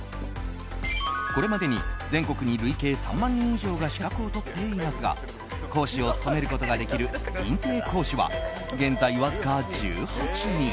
これまでに全国に累計３万人以上が資格を取っていますが講師を務めることができる認定講師は、現在わずか１８人。